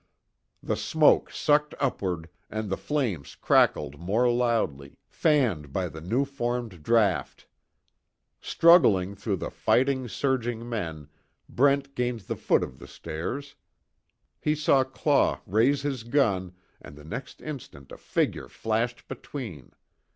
The smoke sucked upward, and the flames crackled more loudly, fanned by the new formed draught. Struggling through the fighting, surging men, Brent gained the foot of the stairs. He saw Claw raise his gun, and the next instant a figure flashed between.